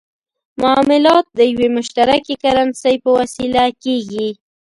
معاملات د یوې مشترکې کرنسۍ په وسیله کېږي.